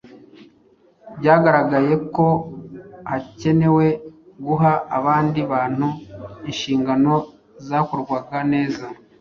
Byagaragaye ko hakenewe guha abandi bantu inshingano zakorwaga neza